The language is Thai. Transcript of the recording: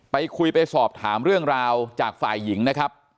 ไปคุยไปสอบถามเรื่องราวจากฝ่ายหญิงนะครับ